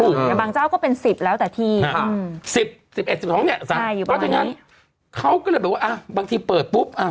แต่บางเจ้าก็เป็น๑๐แล้วแต่ที่๑๑๑๑๒เนี่ยเพราะฉะนั้นเขาก็เลยแบบว่าบางทีเปิดปุ๊บ